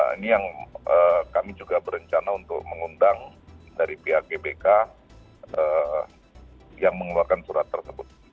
ini yang kami juga berencana untuk mengundang dari pihak gbk yang mengeluarkan surat tersebut